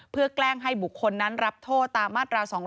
เพื่อแกล้งให้บุคคลนั้นรับโทษตามมาตรา๒๗